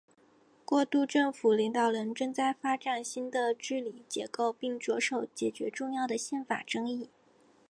过渡政府领导人正在发展新的治理结构并着手解决重要的宪法争议。